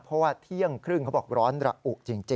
เพราะว่าเที่ยงครึ่งเขาบอกร้อนระอุจริง